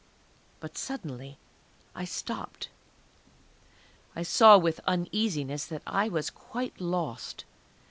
But suddenly I stopped. I saw with uneasiness that I was quite lost.